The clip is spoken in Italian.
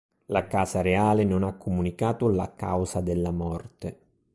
La Casa Reale non ha comunicato la causa della morte.